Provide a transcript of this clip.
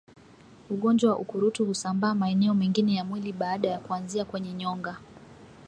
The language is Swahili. Ugonjwa wa ukurutu husambaa maeneo mengine ya mwili baada ya kuanzia kwenye nyonga